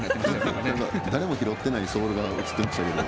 誰も拾ってないソールが映ってましたけど。